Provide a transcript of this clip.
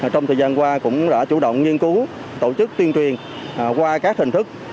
trong thời gian qua cũng đã chủ động nghiên cứu tổ chức tuyên truyền qua các hình thức